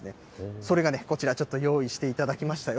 それがこちら、ちょっと用意していただきましたよ。